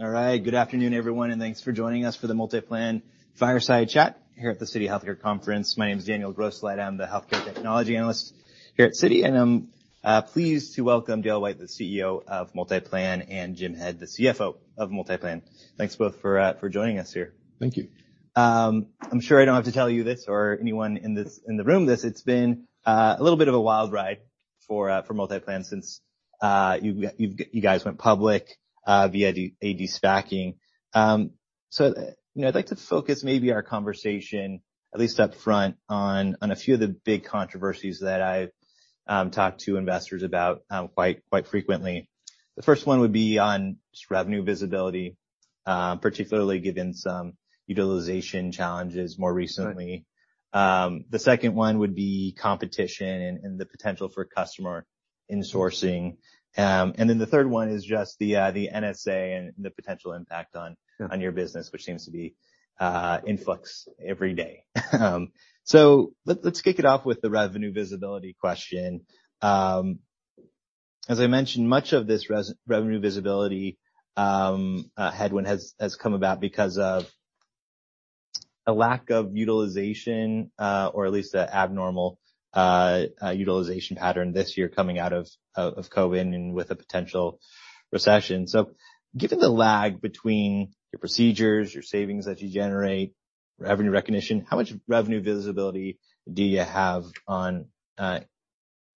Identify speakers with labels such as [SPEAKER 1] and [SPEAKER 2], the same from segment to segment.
[SPEAKER 1] All right. Good afternoon, everyone, thanks for joining us for the MultiPlan fireside chat here at the Citi healthcare conference. My name is Daniel Grosslight. I'm the Healthcare Technology Analyst here at Citi, and I'm pleased to welcome Dale White, the CEO of MultiPlan, and Jim Head, the CFO of MultiPlan. Thanks both for joining us here.
[SPEAKER 2] Thank you.
[SPEAKER 1] I'm sure I don't have to tell you this or anyone in this, in the room this, it's been a little bit of a wild ride for MultiPlan since you guys went public via de-SPAC. You know, I'd like to focus maybe our conversation, at least up front, on a few of the big controversies that I've talked to investors about quite frequently. The first one would be on just revenue visibility, particularly given some utilization challenges more recently. The second one would be competition and the potential for customer insourcing. The third one is just the NSA and the potential impact on-
[SPEAKER 2] Yeah.
[SPEAKER 1] on your business, which seems to be in flux every day. Let's kick it off with the revenue visibility question. As I mentioned, much of this revenue visibility headwind has come about because of a lack of utilization, or at least an abnormal utilization pattern this year coming out of COVID and with a potential recession. Given the lag between your procedures, your savings that you generate, revenue recognition, how much revenue visibility do you have on a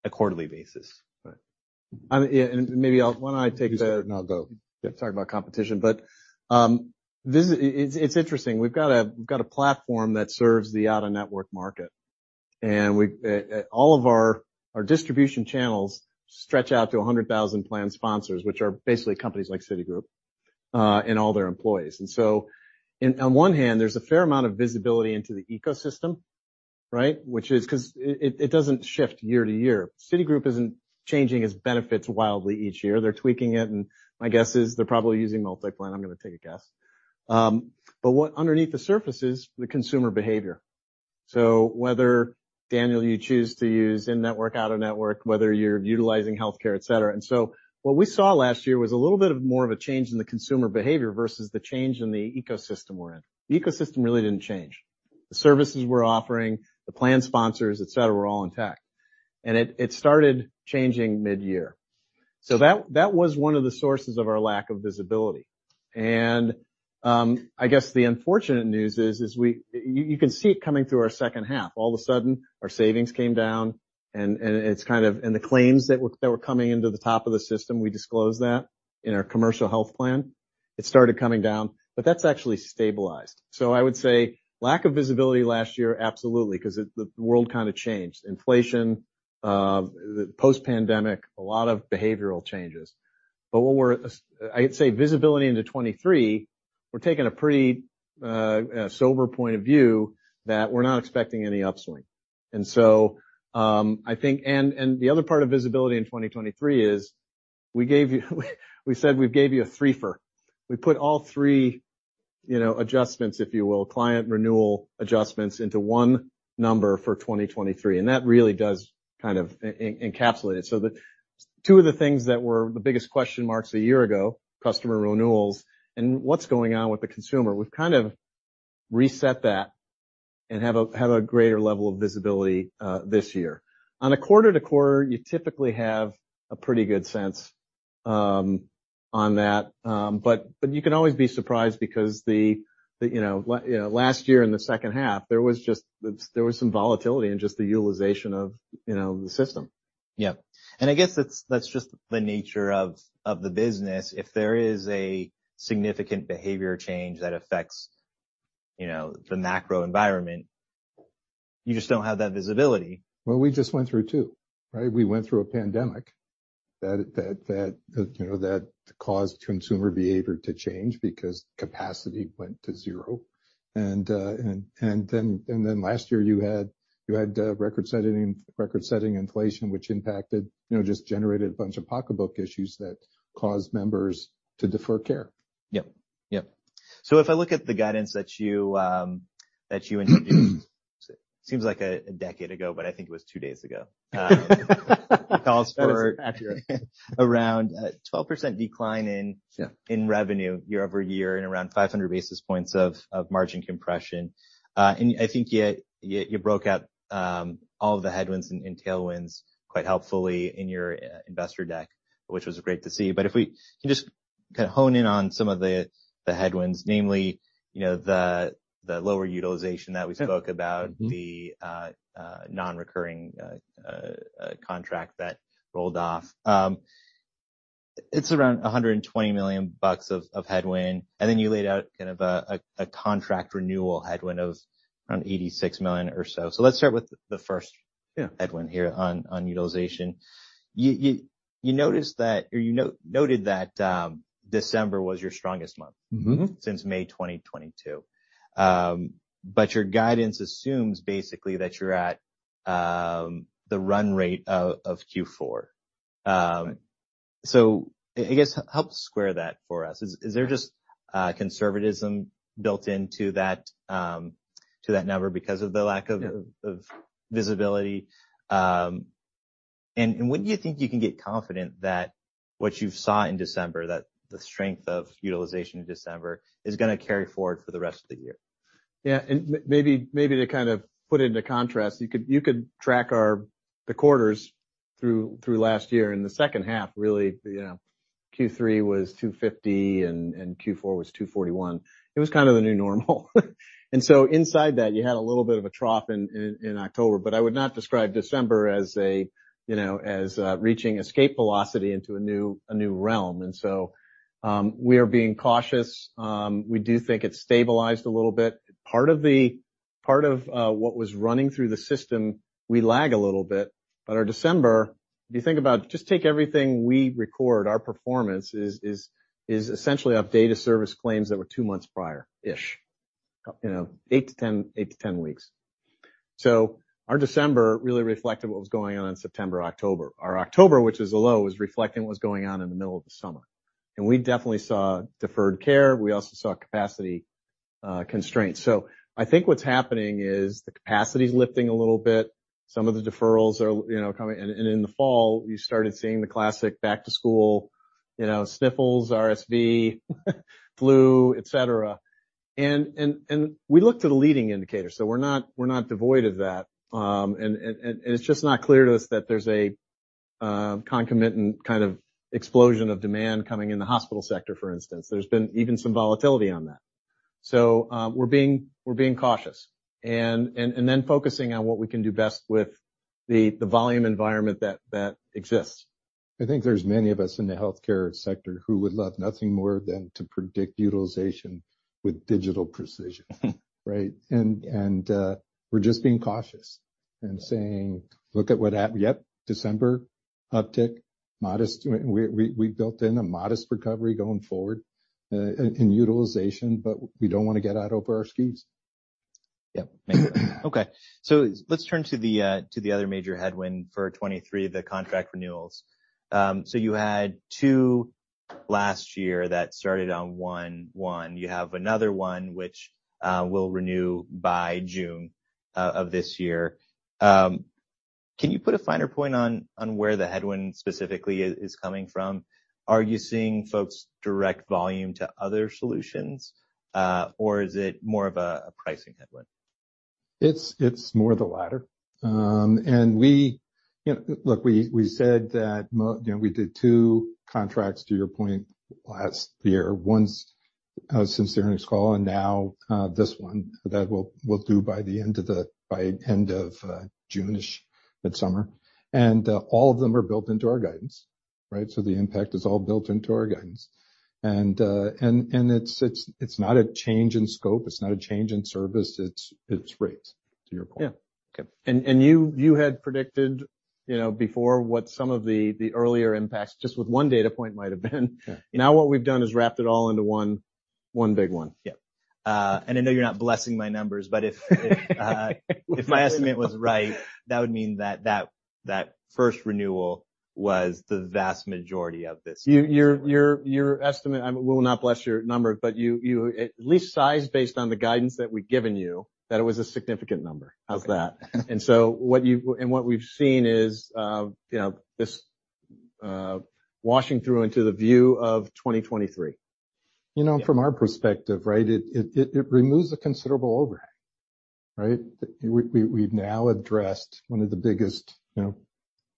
[SPEAKER 1] quarterly basis?
[SPEAKER 2] Right. Yeah, why don't I take that, and I'll go.
[SPEAKER 1] Yeah.
[SPEAKER 2] Talk about competition. It's interesting. We've got a platform that serves the out-of-network market, and we all of our distribution channels stretch out to 100,000 plan sponsors, which are basically companies like Citigroup and all their employees. On, on one hand, there's a fair amount of visibility into the ecosystem, right? Which is 'cause it doesn't shift year to year. Citigroup isn't changing its benefits wildly each year. They're tweaking it, and my guess is they're probably using MultiPlan. I'm gonna take a guess. What underneath the surface is the consumer behavior. Whether, Daniel, you choose to use in-network, out-of-network, whether you're utilizing healthcare, et cetera. What we saw last year was a little bit of more of a change in the consumer behavior versus the change in the ecosystem we're in. The ecosystem really didn't change. The services we're offering, the plan sponsors, et cetera, were all intact. It started changing mid-year. That was one of the sources of our lack of visibility. I guess the unfortunate news is we. You can see it coming through our second half. All of a sudden, our savings came down, and it's kind of. The claims that were coming into the top of the system, we disclosed that in our commercial health plan. It started coming down, that's actually stabilized. I would say lack of visibility last year, absolutely, 'cause the world kind of changed. Inflation, post-pandemic, a lot of behavioral changes. What we're. I'd say visibility into 2023, we're taking a pretty, sober point of view that we're not expecting any upswing. I think the other part of visibility in 2023 is we gave you we said we gave you a 3-fer. We put all three, you know, adjustments, if you will, client renewal adjustments into one number for 2023, and that really does kind of encapsulate it. Two of the things that were the biggest question marks a year ago, customer renewals and what's going on with the consumer, we've kind of reset that and have a, have a greater level of visibility, this year. On a quarter to quarter, you typically have a pretty good sense, on that. You can always be surprised because the, you know, last year in the second half, there was some volatility in just the utilization of, you know, the system.
[SPEAKER 1] Yeah. I guess that's just the nature of the business. If there is a significant behavior change that affects, you know, the macro environment, you just don't have that visibility.
[SPEAKER 2] Well, we just went through two, right? We went through a pandemic that, you know, that caused consumer behavior to change because capacity went to zero. Then last year you had record-setting inflation, which impacted, you know, just generated a bunch of pocketbook issues that caused members to defer care.
[SPEAKER 1] Yeah. Yeah. If I look at the guidance that you introduced, seems like a decade ago, but I think it was two days ago, it calls for.
[SPEAKER 2] That is accurate.
[SPEAKER 1] Around a 12% decline-
[SPEAKER 2] Yeah.
[SPEAKER 1] in revenue year-over-year and around 500 basis points of margin compression. I think you broke out all the headwinds and tailwinds quite helpfully in your investor deck, which was great to see. If we can just kind of hone in on some of the headwinds, namely, you know, the lower utilization that we spoke about.
[SPEAKER 2] Mm-hmm.
[SPEAKER 1] The non-recurring contract that rolled off. It's around $120 million of headwind, and then you laid out kind of a contract renewal headwind of around $86 million or so. Let's start with the first-
[SPEAKER 2] Yeah.
[SPEAKER 1] headwind here on utilization. You noticed that or you noted that, December was your strongest month.
[SPEAKER 2] Mm-hmm.
[SPEAKER 1] Since May 2022. Your guidance assumes basically that you're at the run rate of Q4. I guess help square that for us. Is there just conservatism built into that to that number because of the lack of-
[SPEAKER 2] Yeah.
[SPEAKER 1] of visibility? When do you think you can get confident that what you've saw in December, that the strength of utilization in December is gonna carry forward for the rest of the year?
[SPEAKER 2] Yeah. Maybe to kind of put into contrast, you could track the quarters through last year. In the second half, really, you know, Q3 was $250, and Q4 was $241. It was kind of the new normal. Inside that, you had a little bit of a trough in October. I would not describe December as a, you know, as reaching escape velocity into a new realm. We are being cautious. We do think it's stabilized a little bit. Part of what was running through the system, we lag a little bit. Our December, if you think about it, just take everything we record, our performance is essentially of data service claims that were two months prior-ish, you know, 8 weeks-10 weeks, 8 weeks-10 weeks. Our December really reflected what was going on in September, October. Our October, which was low, was reflecting what was going on in the middle of the summer. We definitely saw deferred care. We also saw capacity constraints. I think what's happening is the capacity is lifting a little bit. Some of the deferrals are, you know, coming. In the fall, you started seeing the classic back to school, you know, sniffles, RSV, flu, et cetera. We look to the leading indicators, so we're not devoid of that. It's just not clear to us that there's a concomitant kind of explosion of demand coming in the hospital sector, for instance. There's been even some volatility on that. We're being cautious and then focusing on what we can do best with the volume environment that exists.
[SPEAKER 3] I think there's many of us in the healthcare sector who would love nothing more than to predict utilization with digital precision. Right? We're just being cautious and saying, look at what Yep, December uptick, modest. We built in a modest recovery going forward, in utilization. We don't wanna get out over our skis.
[SPEAKER 1] Thank you. Let's turn to the other major headwind for 2023, the contract renewals. You had two last year that started on one. You have another one which will renew by June of this year. Can you put a finer point on where the headwind specifically is coming from? Are you seeing folks direct volume to other solutions, or is it more of a pricing headwind?
[SPEAKER 3] It's more the latter. We, you know, look, we said that You know, we did two contracts, to your point, last year. Once since the earnings call, and now this one that we'll do by the end of June-ish, mid-summer. All of them are built into our guidance, right? The impact is all built into our guidance. It's not a change in scope, it's not a change in service, it's rates, to your point.
[SPEAKER 2] Yeah.
[SPEAKER 1] Okay.
[SPEAKER 2] You had predicted, you know, before what some of the earlier impacts just with one data point might have been.
[SPEAKER 3] Yeah.
[SPEAKER 2] What we've done is wrapped it all into one big one.
[SPEAKER 1] Yeah. I know you're not blessing my numbers, but If, if my estimate was right, that would mean that first renewal was the vast majority of this.
[SPEAKER 2] You, your estimate, I will not bless your number, but you at least sized based on the guidance that we've given you that it was a significant number. How's that?
[SPEAKER 1] Okay.
[SPEAKER 2] What we've seen is, you know, this washing through into the view of 2023.
[SPEAKER 3] You know, from our perspective, right, it removes a considerable overhang, right? We've now addressed one of the biggest, you know,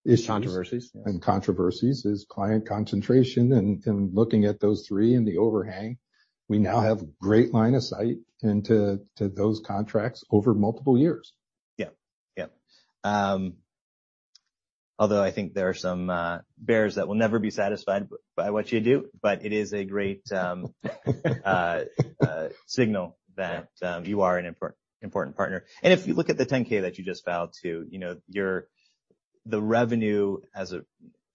[SPEAKER 3] issues.
[SPEAKER 1] Controversies.
[SPEAKER 3] Controversies, is client concentration. Looking at those three and the overhang, we now have great line of sight into those contracts over multiple years.
[SPEAKER 1] Yeah. Yeah. Although I think there are some bears that will never be satisfied by what you do, but it is a great signal that you are an important partner. If you look at the 10-K that you just filed, too, you know, the revenue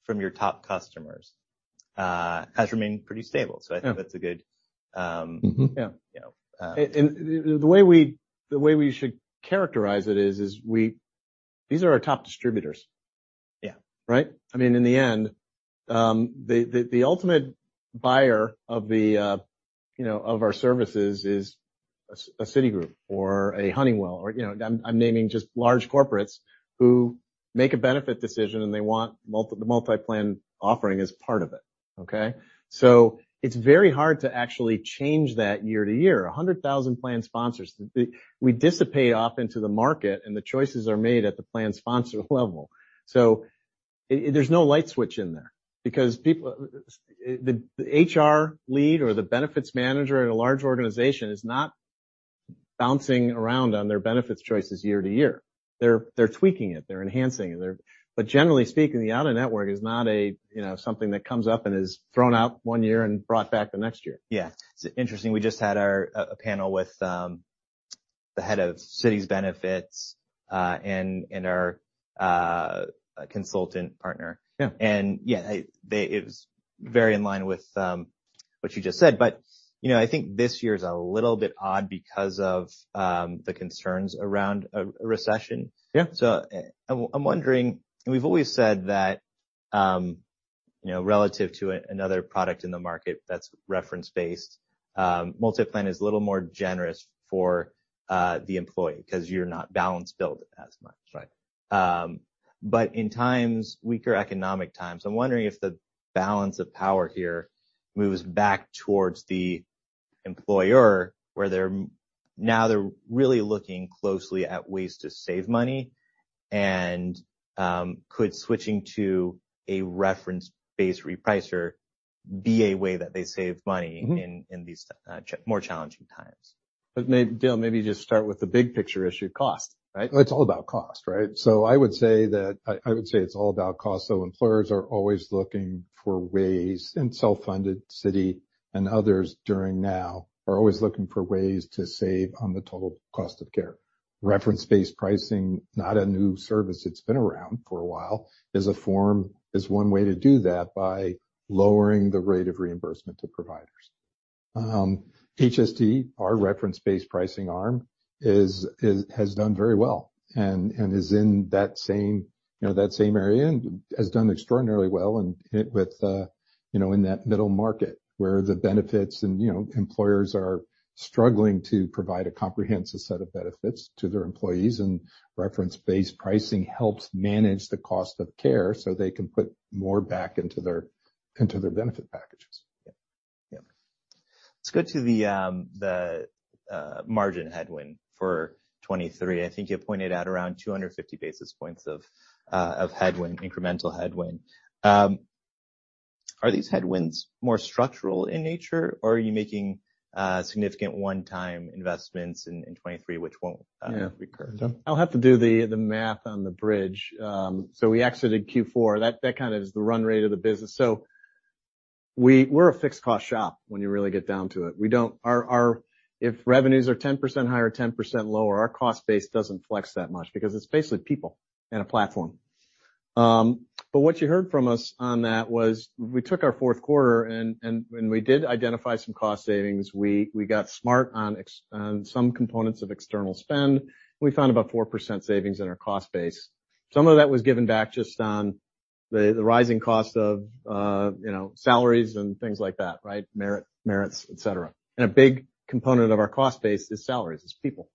[SPEAKER 1] from your top customers has remained pretty stable.
[SPEAKER 2] Yeah.
[SPEAKER 1] I think that's a good.
[SPEAKER 3] Mm-hmm.
[SPEAKER 2] Yeah.
[SPEAKER 1] You know.
[SPEAKER 2] The way we should characterize it is, these are our top distributors.
[SPEAKER 1] Yeah.
[SPEAKER 2] Right? I mean, in the end, the, the ultimate buyer of the, you know, of our services is a Citigroup or a Honeywell or, you know, I'm naming just large corporates who make a benefit decision, and they want the MultiPlan offering as part of it, okay? It's very hard to actually change that year to year. 100,000 plan sponsors. We dissipate off into the market, and the choices are made at the plan sponsor level. There's no light switch in there because people. The, the HR lead or the benefits manager at a large organization is not bouncing around on their benefits choices year to year. They're, they're tweaking it, they're enhancing it, they're. Generally speaking, the out-of-network is not a, you know, something that comes up and is thrown out one year and brought back the next year.
[SPEAKER 1] Yeah. It's interesting, we just had our, a panel with, the head of Citi's benefits, and our consultant partner.
[SPEAKER 2] Yeah.
[SPEAKER 1] Yeah, it was very in line with what you just said. You know, I think this year is a little bit odd because of the concerns around a recession.
[SPEAKER 2] Yeah.
[SPEAKER 1] I'm wondering, and we've always said that, You know, relative to another product in the market that's reference-based, MultiPlan is a little more generous for the employee because you're not balance billed as much.
[SPEAKER 2] Right.
[SPEAKER 1] In times, weaker economic times, I'm wondering if the balance of power here moves back towards the employer, where they're now really looking closely at ways to save money and, could switching to a reference-based repricer be a way that they save money-
[SPEAKER 2] Mm-hmm.
[SPEAKER 1] in these more challenging times?
[SPEAKER 2] Dale, maybe just start with the big picture issue. Cost, right? It's all about cost, right? I would say it's all about cost. Employers are always looking for ways, and self-funded Citi and others during now are always looking for ways to save on the total cost of care. Reference-based pricing, not a new service, it's been around for a while, is a form, is one way to do that by lowering the rate of reimbursement to providers. HST, our reference-based pricing arm, is, has done very well and is in that same, you know, that same area and has done extraordinarily well and hit with, you know, in that middle market where the benefits and, you know, employers are struggling to provide a comprehensive set of benefits to their employees, and reference-based pricing helps manage the cost of care, so they can put more back into their benefit packages.
[SPEAKER 3] Yeah. Yeah.
[SPEAKER 1] Let's go to the margin headwind for 2023. I think you pointed out around 250 basis points of headwind, incremental headwind. Are these headwinds more structural in nature, or are you making significant one-time investments in 2023 which won't recur?
[SPEAKER 2] I'll have to do the math on the bridge. We exited Q4. That, that kind of is the run rate of the business. We're a fixed cost shop when you really get down to it. We don't. If revenues are 10% higher or 10% lower, our cost base doesn't flex that much because it's basically people and a platform. What you heard from us on that was we took our fourth quarter and when we did identify some cost savings, we got smart on some components of external spend. We found about 4% savings in our cost base. Some of that was given back just on the rising cost of, you know, salaries and things like that, right? Merits, et cetera. A big component of our cost base is salaries, it's people.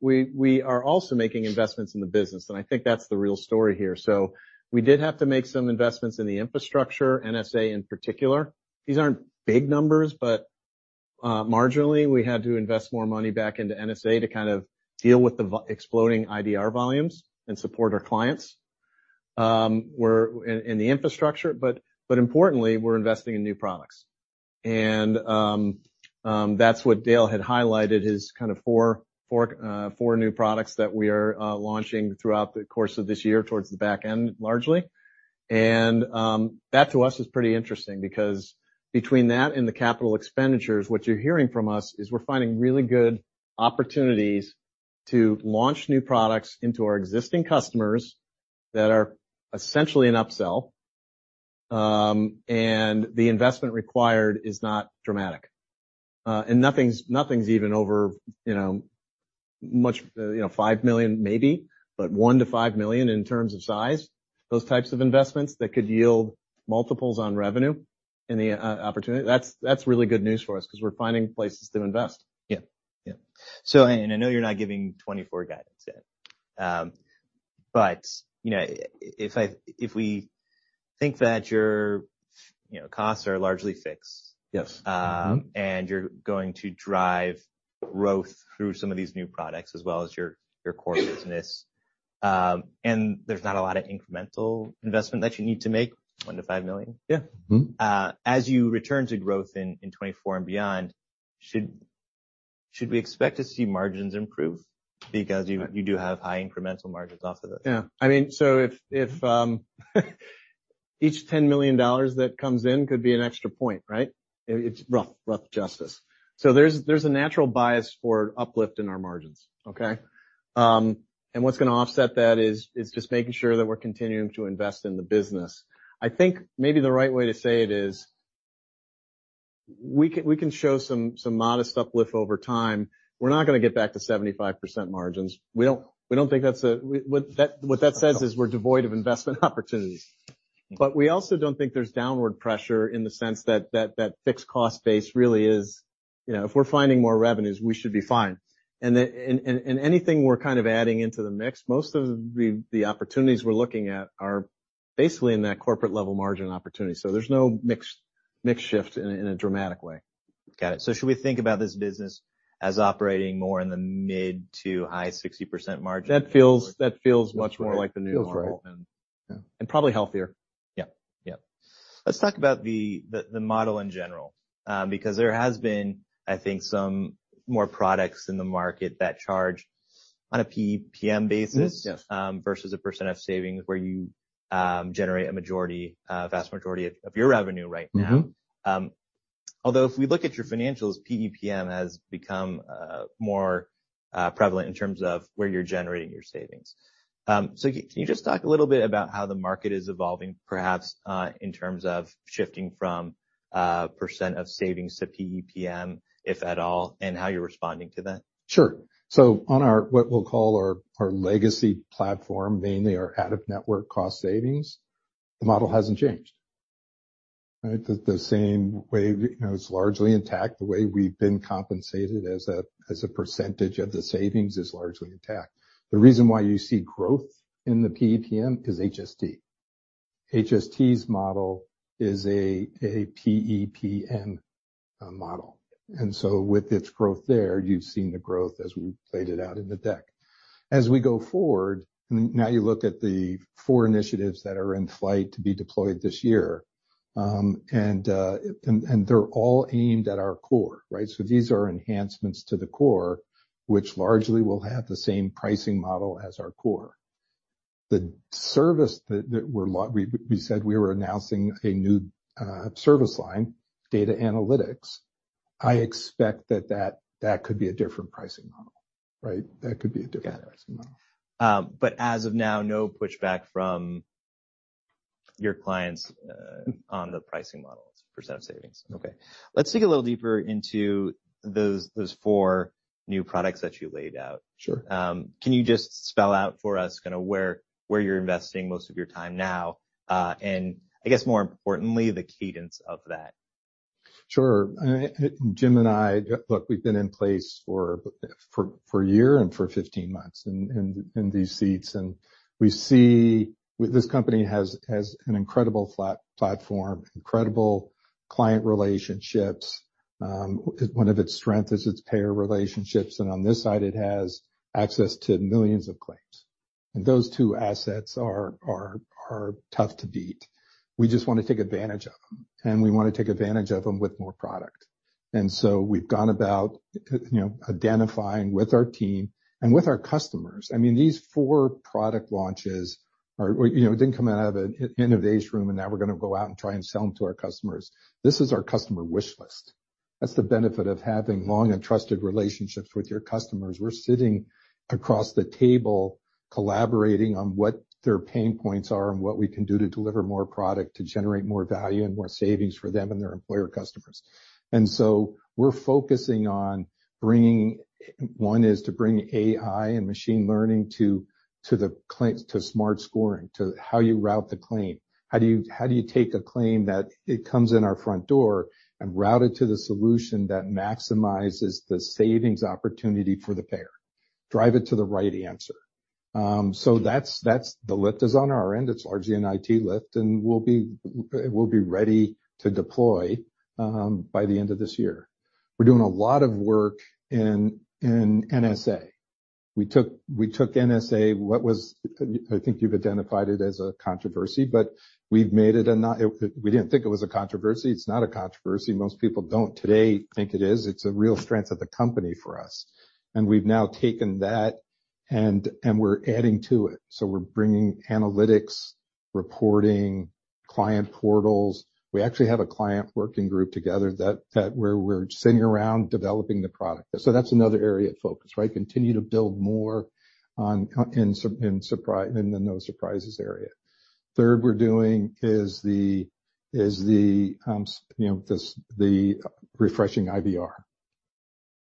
[SPEAKER 2] We are also making investments in the business, and I think that's the real story here. We did have to make some investments in the infrastructure, NSA in particular. These aren't big numbers, but marginally, we had to invest more money back into NSA to kind of deal with the exploding IDR volumes and support our clients, were in the infrastructure. Importantly, we're investing in new products. That's what Dale had highlighted, his kind of four new products that we are launching throughout the course of this year towards the back end, largely. That to us is pretty interesting because between that and the capital expenditures, what you're hearing from us is we're finding really good opportunities to launch new products into our existing customers that are essentially an upsell. The investment required is not dramatic. Nothing's even over, you know, much, you know, $5 million maybe, but $1 million-$5 million in terms of size. Those types of investments that could yield multiples on revenue and the opportunity. That's really good news for us because we're finding places to invest.
[SPEAKER 1] Yeah. Yeah. I know you're not giving 2024 guidance yet. You know, if we think that your you know, costs are largely fixed.
[SPEAKER 2] Yes. Mm-hmm.
[SPEAKER 1] You're going to drive growth through some of these new products as well as your core business, and there's not a lot of incremental investment that you need to make, $1 million-$5 million.
[SPEAKER 2] Yeah. Mm-hmm.
[SPEAKER 1] As you return to growth in 2024 and beyond, should we expect to see margins improve?
[SPEAKER 2] Right.
[SPEAKER 1] You do have high incremental margins off of that.
[SPEAKER 2] Yeah. I mean, if each $10 million that comes in could be an extra point, right? It's rough justice. There's a natural bias for uplift in our margins, okay? What's gonna offset that is just making sure that we're continuing to invest in the business. I think maybe the right way to say it is, we can show some modest uplift over time. We're not gonna get back to 75% margins. We don't think that's what that says is we're devoid of investment opportunities. We also don't think there's downward pressure in the sense that fixed cost base really is. You know, if we're finding more revenues, we should be fine. Anything we're kind of adding into the mix, most of the opportunities we're looking at are basically in that corporate level margin opportunity. There's no mix shift in a dramatic way.
[SPEAKER 1] Got it. Should we think about this business as operating more in the mid to high 60% margin?
[SPEAKER 2] That feels much more like the new normal. Feels right. Yeah. Probably healthier.
[SPEAKER 1] Yeah. Let's talk about the model in general, because there has been, I think, some more products in the market that charge on a PEPM basis-
[SPEAKER 2] Mm-hmm. Yes.
[SPEAKER 1] versus a percentage of savings where you generate a majority, vast majority of your revenue right now.
[SPEAKER 2] Mm-hmm.
[SPEAKER 1] If we look at your financials, PEPM has become more prevalent in terms of where you're generating your savings. Can you just talk a little bit about how the market is evolving, perhaps, in terms of shifting from percentage of savings to PEPM, if at all, and how you're responding to that?
[SPEAKER 2] Sure. On our, what we'll call our legacy platform, mainly our out-of-network cost savings, the model hasn't changed.
[SPEAKER 3] Right. The same way, you know, it's largely intact. The way we've been compensated as a percentage of the savings is largely intact. The reason why you see growth in the PEPM is HST. HST's model is a PEPM model. With its growth there, you've seen the growth as we played it out in the deck. As we go forward, and now you look at the four initiatives that are in flight to be deployed this year, and they're all aimed at our core, right? These are enhancements to the core, which largely will have the same pricing model as our core. The service that we said we were announcing a new service line, data analytics. I expect that could be a different pricing model, right? That could be a different pricing model.
[SPEAKER 1] As of now, no pushback from your clients, on the pricing models percentage savings. Let's dig a little deeper into those four new products that you laid out.
[SPEAKER 3] Sure.
[SPEAKER 1] Can you just spell out for us kinda where you're investing most of your time now? I guess more importantly, the cadence of that?
[SPEAKER 3] Sure. Jim and I, look, we've been in place for a year and for 15 months in these seats, and we see with this company has an incredible platform, incredible client relationships. One of its strength is its payer relationships, and on this side it has access to millions of claims. Those two assets are tough to beat. We just wanna take advantage of them, and we wanna take advantage of them with more product. We've gone about, you know, identifying with our team and with our customers. I mean, these four product launches are, you know, didn't come out of an innovation room, and now we're gonna go out and try and sell them to our customers. This is our customer wish list. That's the benefit of having long and trusted relationships with your customers. We're sitting across the table collaborating on what their pain points are and what we can do to deliver more product to generate more value and more savings for them and their employer customers. We're focusing on bringing. One is to bring AI and machine learning to smart scoring, to how you route the claim. How do you take a claim that it comes in our front door and route it to the solution that maximizes the savings opportunity for the payer, drive it to the right answer? That's the lift is on our end. It's largely an IT lift, and we'll be ready to deploy by the end of this year. We're doing a lot of work in NSA. We took NSA. I think you've identified it as a controversy. We didn't think it was a controversy. It's not a controversy. Most people don't today think it is. It's a real strength of the company for us. We've now taken that and we're adding to it. We're bringing analytics, reporting, client portals. We actually have a client working group together that where we're sitting around developing the product. That's another area of focus, right? Continue to build more on in the No Surprises area. Third, we're doing is the, you know, the refreshing IBR,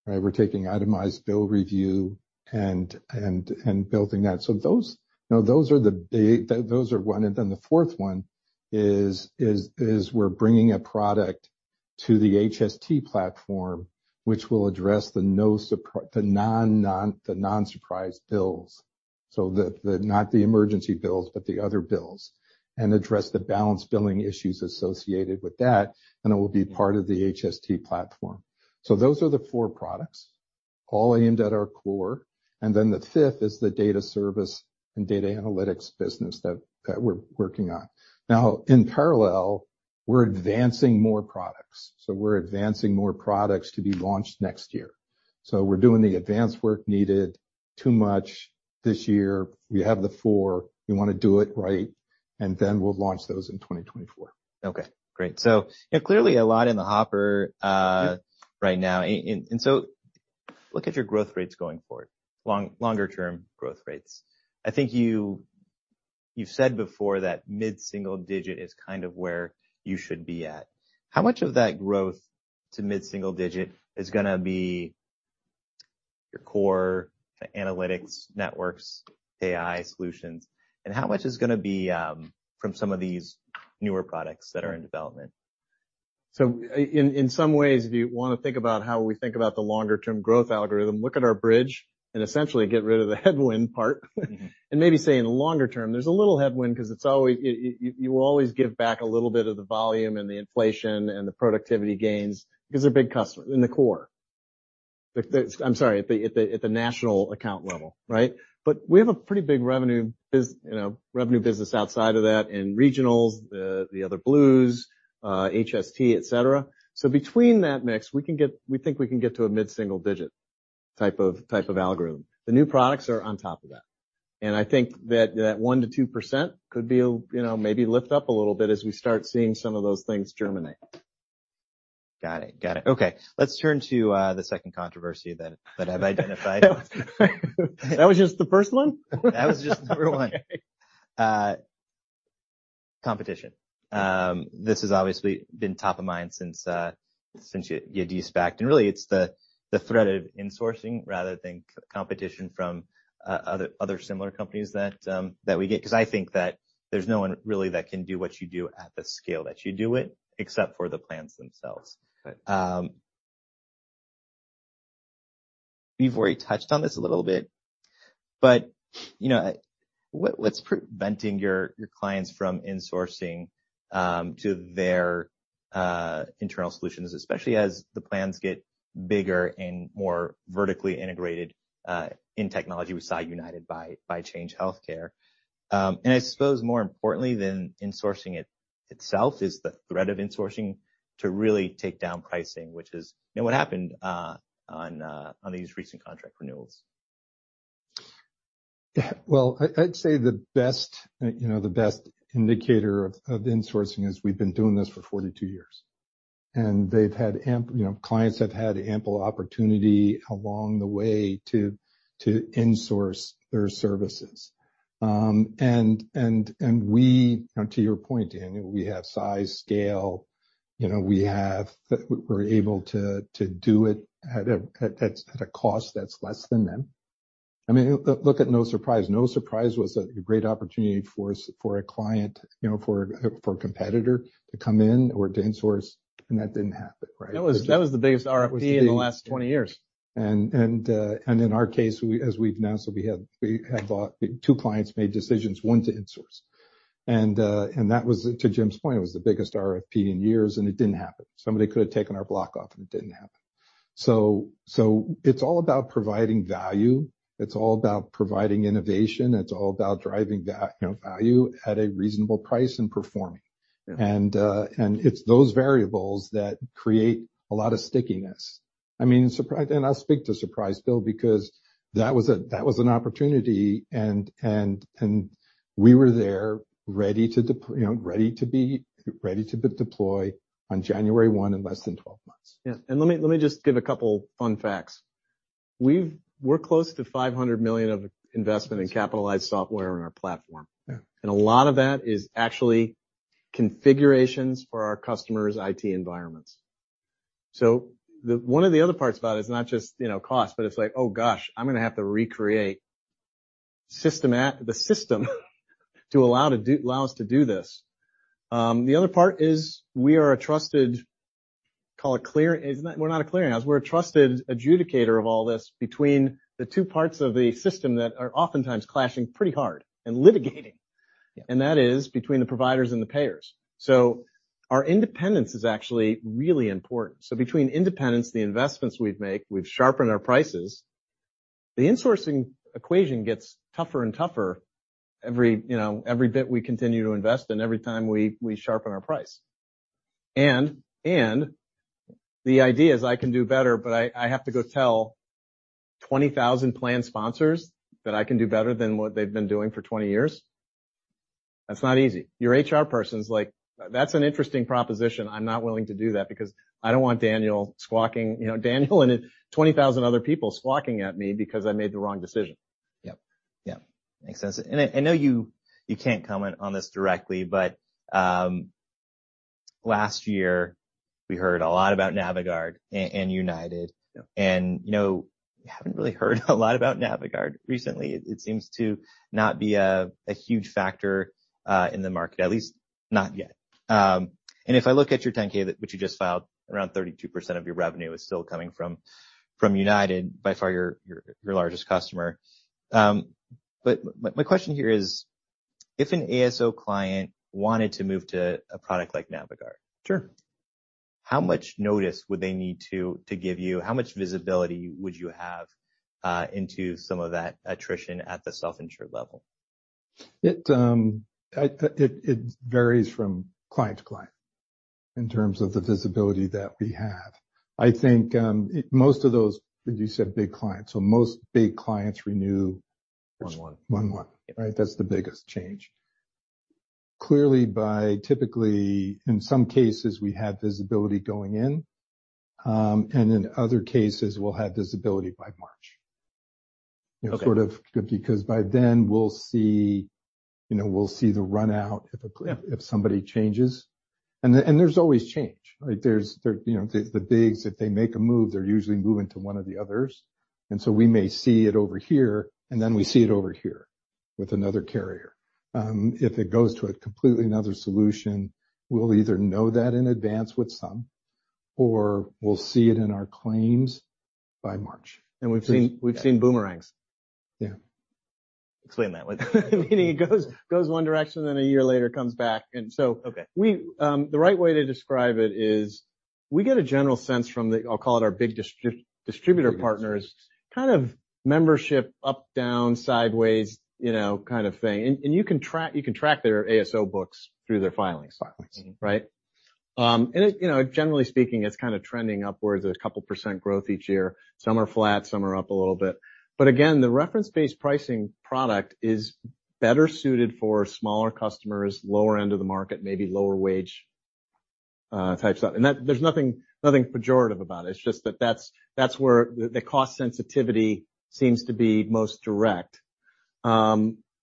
[SPEAKER 3] right? We're taking Itemized Bill Review and building that. Those are one. The fourth one is we're bringing a product to the HST platform, which will address the non-surprise bills, so not the emergency bills, but the other bills, and address the balance billing issues associated with that, and it will be part of the HST platform. Those are the four products, all aimed at our core. The fifth is the data service and data analytics business that we're working on. Now, in parallel, we're advancing more products. We're advancing more products to be launched next year. We're doing the advanced work needed. Too much this year. We have the four. We wanna do it right. We'll launch those in 2024.
[SPEAKER 1] Okay, great. You know, clearly a lot in the hopper-
[SPEAKER 3] Yep
[SPEAKER 1] right now. Look at your growth rates going forward, longer term growth rates. I think you've said before that mid-single digit is kind of where you should be at. How much of that growth to mid-single digit is gonna be your core analytics networks, AI solutions, and how much is gonna be from some of these newer products that are in development?
[SPEAKER 3] In some ways, if you wanna think about how we think about the longer term growth algorithm, look at our bridge and essentially get rid of the headwind part.
[SPEAKER 1] Mm-hmm.
[SPEAKER 3] Maybe say in the longer term, there's a little headwind 'cause it's always. You will always give back a little bit of the volume and the inflation and the productivity gains because they're big customers in the core. I'm sorry, at the national account level, right? We have a pretty big revenue biz, you know, revenue business outside of that in regionals, the other blues, HST, et cetera. Between that mix, we think we can get to a mid-single-digit type of algorithm. The new products are on top of that. I think that that 1%-2% could be, you know, maybe lift up a little bit as we start seeing some of those things germinate.
[SPEAKER 1] Got it. Okay, let's turn to the second controversy then that I've identified.
[SPEAKER 3] That was just the first one?
[SPEAKER 1] That was just number one.
[SPEAKER 3] Okay.
[SPEAKER 1] Competition. This has obviously been top of mind since you de-SPACed. Really, it's the threat of insourcing rather than competition from other similar companies that we get. 'Cause I think that there's no one really that can do what you do at the scale that you do it, except for the plans themselves.
[SPEAKER 3] Right.
[SPEAKER 1] We've already touched on this a little bit, but, you know, what's preventing your clients from insourcing to their internal solutions, especially as the plans get bigger and more vertically integrated in technology? We saw United buy Change Healthcare. I suppose more importantly than insourcing itself is the threat of insourcing to really take down pricing, which is, you know, what happened on these recent contract renewals.
[SPEAKER 3] Yeah. Well, I'd say the best, you know, the best indicator of insourcing is we've been doing this for 42 years, and they've had You know, clients have had ample opportunity along the way to insource their services. To your point, Daniel, we have size, scale, you know, we have We're able to do it at a cost that's less than them. I mean, look at No Surprise. No Surprise was a great opportunity for a client, you know, for a, for a competitor to come in or to insource, and that didn't happen, right?
[SPEAKER 2] That was the biggest RFP in the last 20 years.
[SPEAKER 3] In our case, we, as we've announced, two clients made decisions, one to insource. That was, to Jim's point, was the biggest RFP in years, and it didn't happen. Somebody could have taken our block off, and it didn't happen. It's all about providing value. It's all about providing innovation. It's all about driving you know, value at a reasonable price and performing.
[SPEAKER 2] Yeah.
[SPEAKER 3] It's those variables that create a lot of stickiness. I mean, I'll speak to Surprise Bill, because that was an opportunity, and we were there ready to deploy, you know, ready to deploy on January 1 in less than 12 months.
[SPEAKER 2] Yeah. Let me just give a couple fun facts. We're close to $500 million of investment in capitalized software on our platform.
[SPEAKER 3] Yeah.
[SPEAKER 2] A lot of that is actually configurations for our customers' IT environments. One of the other parts about it is not just, you know, cost, but it's like, oh, gosh, I'm gonna have to recreate the system to allow us to do this. The other part is we are a trusted, call it clearing. We're not a clearinghouse. We're a trusted adjudicator of all this between the two parts of the system that are oftentimes clashing pretty hard and litigating.
[SPEAKER 3] Yeah.
[SPEAKER 2] That is between the providers and the payers. Our independence is actually really important. Between independence, the investments we've made, we've sharpened our prices, the insourcing equation gets tougher and tougher every, you know, every bit we continue to invest and every time we sharpen our price. The idea is I can do better, but I have to go tell 20,000 plan sponsors that I can do better than what they've been doing for 20 years? That's not easy. Your HR person's like, "That's an interesting proposition. I'm not willing to do that because I don't want Daniel squawking, you know, Daniel and 20,000 other people squawking at me because I made the wrong decision.
[SPEAKER 1] Yep. Yeah. Makes sense. I know you can't comment on this directly, but last year we heard a lot about Naviguard and United.
[SPEAKER 2] Yeah.
[SPEAKER 1] You know, we haven't really heard a lot about Naviguard recently. It seems to not be a huge factor in the market, at least not yet. If I look at your 10-K which you just filed, around 32% of your revenue is still coming from United, by far your largest customer. My question here is, if an ASO client wanted to move to a product like Naviguard.
[SPEAKER 2] Sure
[SPEAKER 1] How much notice would they need to give you? How much visibility would you have into some of that attrition at the self-insured level?
[SPEAKER 3] It varies from client to client in terms of the visibility that we have. I think, most of those, you said big clients, so most big clients renew.
[SPEAKER 1] One, one.
[SPEAKER 3] One, one.
[SPEAKER 1] Yeah.
[SPEAKER 3] Right? That's the biggest change. Clearly by typically, in some cases, we have visibility going in, and in other cases, we'll have visibility by March.
[SPEAKER 1] Okay.
[SPEAKER 3] You know, sort of because by then we'll see, you know, we'll see the run out-
[SPEAKER 2] Yeah
[SPEAKER 3] if somebody changes. There's always change. You know, the bigs, if they make a move, they're usually moving to one of the others. We may see it over here. We see it over here with another carrier. If it goes to a completely another solution, we'll either know that in advance with some, or we'll see it in our claims by March.
[SPEAKER 2] We've seen boomerangs.
[SPEAKER 3] Yeah.
[SPEAKER 1] Explain that one.
[SPEAKER 2] Meaning it goes, it goes one direction, then a year later comes back.
[SPEAKER 1] Okay
[SPEAKER 2] We, the right way to describe it is we get a general sense from the, I'll call it our big distributor partners, kind of membership up, down, sideways, you know, kind of thing. You can track their ASO books through their filings.
[SPEAKER 1] Filings.
[SPEAKER 2] Right? It, you know, generally speaking, it's kinda trending upwards at a couple percentage growth each year. Some are flat, some are up a little bit. Again, the reference-based pricing product is better suited for smaller customers, lower end of the market, maybe lower wage types of. That there's nothing pejorative about it. It's just that that's where the cost sensitivity seems to be most direct.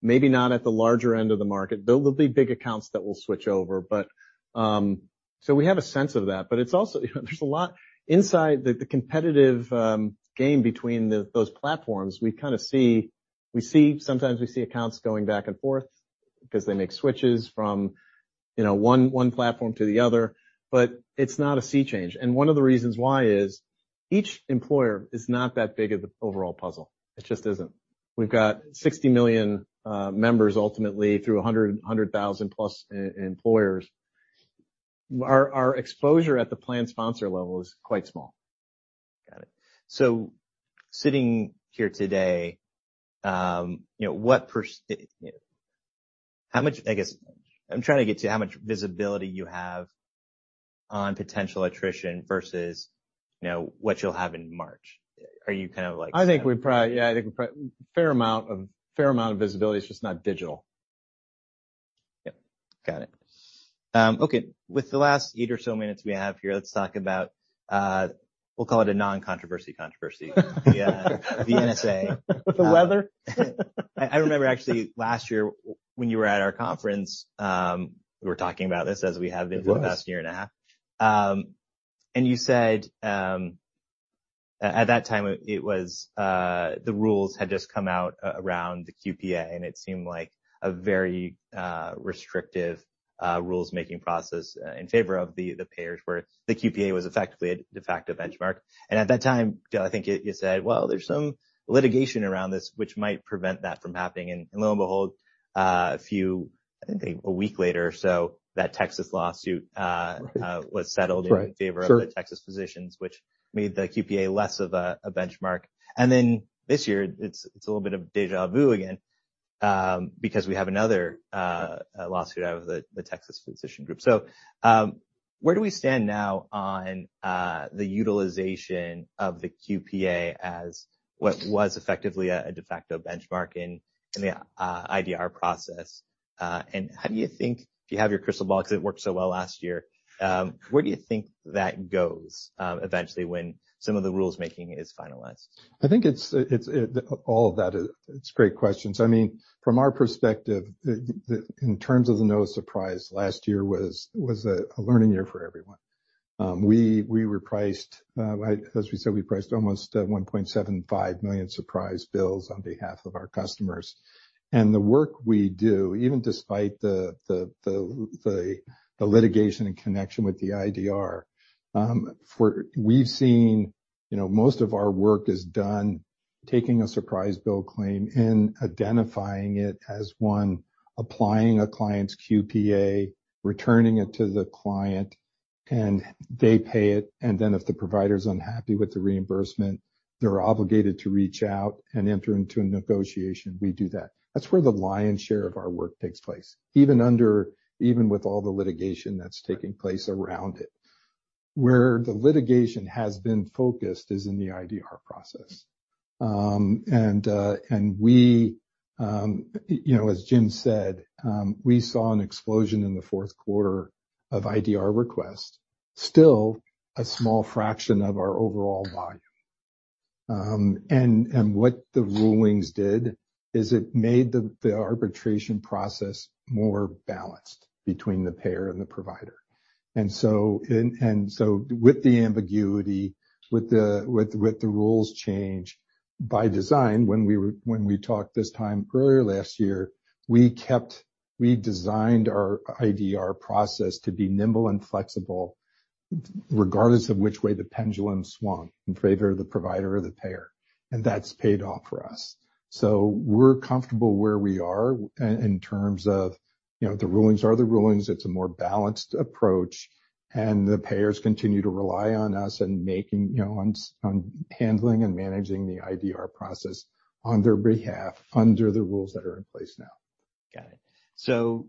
[SPEAKER 3] Maybe not at the larger end of the market. There will be big accounts that will switch over, but, so we have a sense of that, but it's also, there's a lot inside the competitive game between the, those platforms, we see sometimes we see accounts going back and forth because they make switches from, you know, one platform to the other, but it's not a sea change. One of the reasons why is each employer is not that big of the overall puzzle. It just isn't. We've got 60 million members ultimately through 100 thousand plus employers. Our exposure at the plan sponsor level is quite small.
[SPEAKER 1] Got it. Sitting here today, you know How much, I guess, I'm trying to get to how much visibility you have on potential attrition versus, you know, what you'll have in March? Are you kind of like-
[SPEAKER 3] I think we probably, yeah, I think we're fair amount of visibility. It's just not digital.
[SPEAKER 1] Yep. Got it. Okay, with the last eight or so minutes we have here, let's talk about, we'll call it a non-controversy controversy. The, the NSA.
[SPEAKER 3] The weather?
[SPEAKER 1] I remember actually last year when you were at our conference, we were talking about this as we have been-
[SPEAKER 3] It was.
[SPEAKER 1] for the past year and a half. You said, at that time, it was the rules had just come out around the QPA, and it seemed like a very restrictive rules making process in favor of the payers where the QPA was effectively a de facto benchmark. At that time, I think you said, "Well, there's some litigation around this which might prevent that from happening." Lo and behold, a few, I think, a week later or so, that Texas lawsuit-
[SPEAKER 3] Right.
[SPEAKER 1] was settled.
[SPEAKER 3] That's right.
[SPEAKER 1] In favor of the Texas physicians, which made the QPA less of a benchmark. This year, it's a little bit of deja vu again, because we have another lawsuit out of the Texas physician group. Where do we stand now on the utilization of the QPA as what was effectively a de facto benchmark in the IDR process? How do you think, if you have your crystal ball, 'cause it worked so well last year, where do you think that goes eventually when some of the rules making is finalized?
[SPEAKER 3] I think it's All of that, it's great questions. I mean, from our perspective, the in terms of the No Surprises, last year was a learning year for everyone. We were priced, as we said, we priced almost $1.75 million Surprise Bills on behalf of our customers. The work we do, even despite the litigation in connection with the IDR, we've seen, you know, most of our work is done taking a Surprise Bill claim and identifying it as one, applying a client's QPA, returning it to the client, and they pay it. Then if the provider's unhappy with the reimbursement, they're obligated to reach out and enter into a negotiation. We do that. That's where the lion's share of our work takes place, even with all the litigation that's taking place around it. Where the litigation has been focused is in the IDR process. And we, you know, as Jim said, we saw an explosion in the fourth quarter of IDR requests, still a small fraction of our overall volume. What the rulings did is it made the arbitration process more balanced between the payer and the provider. So with the ambiguity, with the rules change, by design, when we talked this time earlier last year, we designed our IDR process to be nimble and flexible regardless of which way the pendulum swung in favor of the provider or the payer. That's paid off for us. We're comfortable where we are in terms of, you know, the rulings are the rulings. It's a more balanced approach, and the payers continue to rely on us on making, you know, on handling and managing the IDR process on their behalf under the rules that are in place now.
[SPEAKER 1] Got it.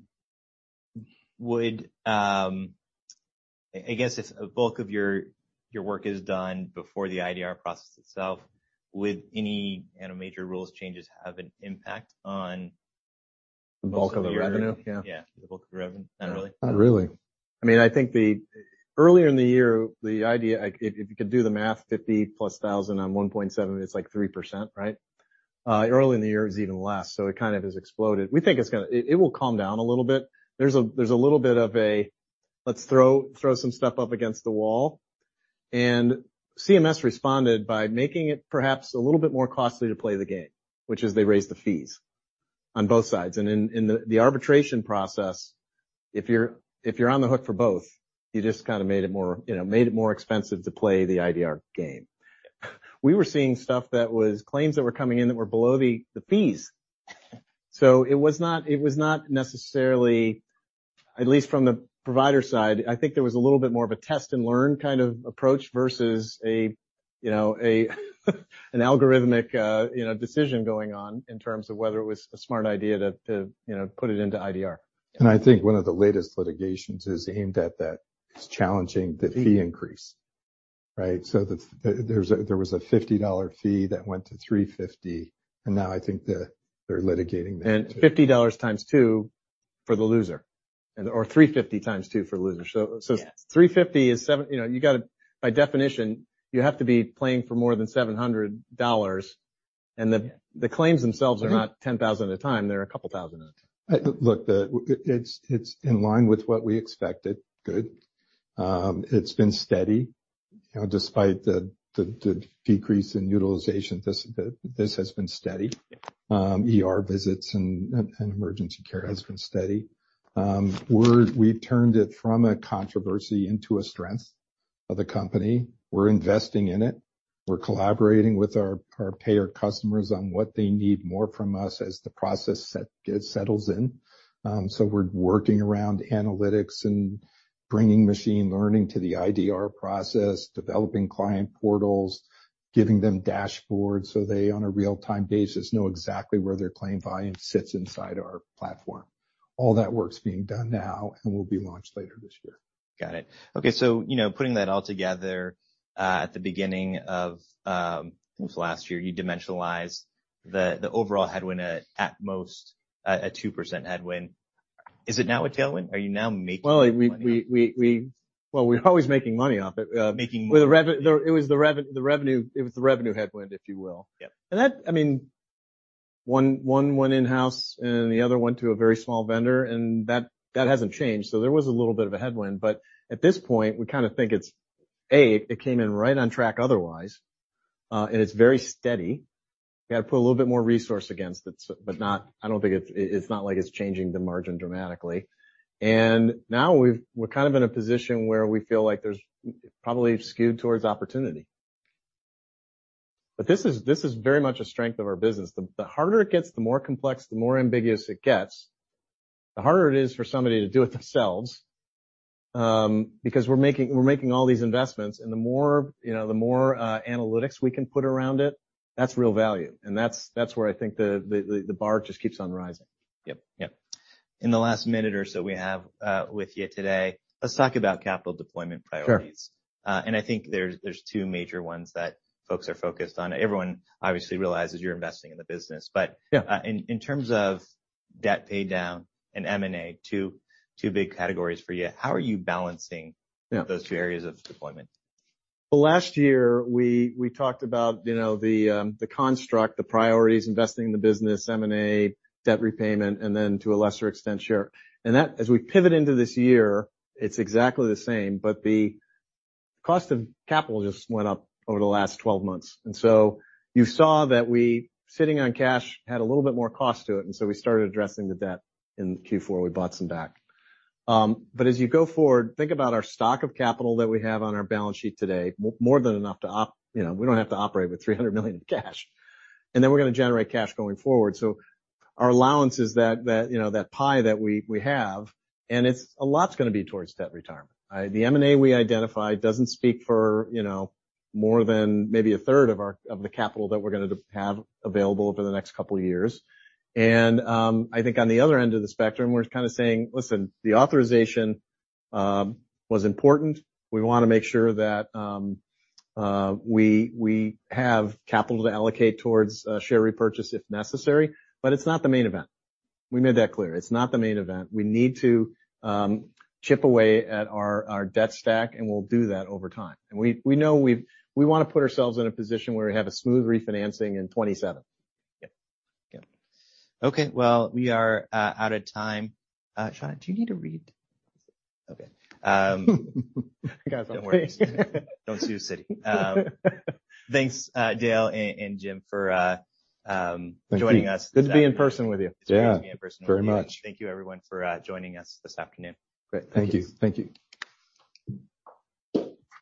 [SPEAKER 1] Would, I guess if a bulk of your work is done before the IDR process itself, would any, you know, major rules changes have an impact on?
[SPEAKER 3] The bulk of the revenue? Yeah.
[SPEAKER 1] Yeah, the bulk of revenue. Not really?
[SPEAKER 3] Not really.
[SPEAKER 1] I mean, I think Earlier in the year, the idea, like if you could do the math, 50,000+ on 1.7, it's like 3%, right? Early in the year, it was even less, so it kind of has exploded. We think it will calm down a little bit. There's a little bit of a let's throw some stuff up against the wall. CMS responded by making it perhaps a little bit more costly to play the game, which is they raised the fees on both sides. In the arbitration process, if you're on the hook for both, you just kinda made it more, you know, expensive to play the IDR game. We were seeing stuff that was claims that were coming in that were below the fees. It was not necessarily, at least from the provider side, I think there was a little bit more of a test and learn kind of approach versus a, you know, a, an algorithmic, you know, decision going on in terms of whether it was a smart idea to, you know, put it into IDR.
[SPEAKER 3] I think one of the latest litigations is aimed at that. It's challenging the fee increase, right? There was a $50 fee that went to $350, now I think they're litigating that.
[SPEAKER 1] $50 x 2.
[SPEAKER 2] For the loser, and or $350 x 2 for the loser.
[SPEAKER 1] Yes.
[SPEAKER 2] $350 is seven. You know, you gotta, by definition, you have to be playing for more than $700, and the claims themselves are not 10,000 at a time, they're a couple thousand at a time.
[SPEAKER 3] Look, it's in line with what we expected. Good. It's been steady, you know, despite the decrease in utilization, this has been steady.
[SPEAKER 2] Yeah.
[SPEAKER 3] ER visits and emergency care has been steady. We've turned it from a controversy into a strength of the company. We're investing in it. We're collaborating with our payer customers on what they need more from us as the process settles in. We're working around analytics and bringing machine learning to the IDR process, developing client portals, giving them dashboards, so they, on a real-time basis, know exactly where their claim volume sits inside our platform. All that work's being done now and will be launched later this year.
[SPEAKER 1] Got it. You know, putting that all together, at the beginning of, I think it was last year, you dimensionalized the overall headwind at most a 2% headwind. Is it now a tailwind? Are you now making money off it?
[SPEAKER 2] Well, we're always making money off it.
[SPEAKER 1] Making more.
[SPEAKER 2] It was the revenue headwind, if you will.
[SPEAKER 1] Yeah.
[SPEAKER 2] That. I mean, one went in-house and the other went to a very small vendor, that hasn't changed, so there was a little bit of a headwind. At this point, we kinda think it's, A, it came in right on track otherwise, and it's very steady. We gotta put a little bit more resource against it, but not, I don't think it's not like it's changing the margin dramatically. Now we've, we're kind of in a position where we feel like there's probably skewed towards opportunity. This is very much a strength of our business. The harder it gets, the more complex, the more ambiguous it gets, the harder it is for somebody to do it themselves, because we're making all these investments, and the more, you know, the more analytics we can put around it, that's real value. That's where I think the bar just keeps on rising.
[SPEAKER 1] Yep. Yep. In the last minute or so we have, with you today, let's talk about capital deployment priorities.
[SPEAKER 2] Sure.
[SPEAKER 1] I think there's two major ones that folks are focused on. Everyone obviously realizes you're investing in the business.
[SPEAKER 2] Yeah.
[SPEAKER 1] In terms of debt pay down and M&A, two big categories for you, how are you balancing-?
[SPEAKER 2] Yeah.
[SPEAKER 1] Those two areas of deployment?
[SPEAKER 2] Last year, we talked about, you know, the construct, the priorities, investing in the business, M&A, debt repayment, and then to a lesser extent, share. That, as we pivot into this year, it's exactly the same, but the cost of capital just went up over the last 12 months. So you saw that we, sitting on cash, had a little bit more cost to it, and so we started addressing the debt in Q4, we bought some back. As you go forward, think about our stock of capital that we have on our balance sheet today, more than enough to operate with $300 million in cash. Then we're gonna generate cash going forward. Our allowance is that, you know, that pie that we have, and it's, a lot's gonna be towards debt retirement. The M&A we identified doesn't speak for, you know, more than maybe a third of the capital that we're gonna have available over the next couple years. I think on the other end of the spectrum, we're kind of saying, listen, the authorization was important. We wanna make sure that we have capital to allocate towards share repurchase if necessary, but it's not the main event. We made that clear. It's not the main event. We need to chip away at our debt stack, and we'll do that over time. We know we wanna put ourselves in a position where we have a smooth refinancing in 2027.
[SPEAKER 1] Yeah. Yeah. Okay, well, we are, out of time. Shawn, do you need to read? Okay.
[SPEAKER 2] I got something.
[SPEAKER 1] Don't worry. Don't sue the Citi. Thanks, Dale and Jim for-
[SPEAKER 3] Thank you.
[SPEAKER 1] joining us this afternoon.
[SPEAKER 2] Good to be in person with you.
[SPEAKER 3] Yeah.
[SPEAKER 1] It's great to be in person with you.
[SPEAKER 3] Very much.
[SPEAKER 1] Thank you, everyone, for joining us this afternoon.
[SPEAKER 2] Great.
[SPEAKER 3] Thank you. Thank you.